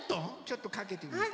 ちょっとかけてみたら？